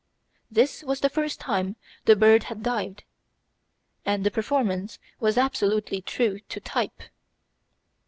This was the first time the bird had dived, and the performance was absolutely true to type.